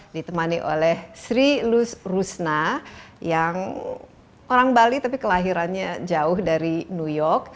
ditemani oleh sri rusna yang orang bali tapi kelahirannya jauh dari new york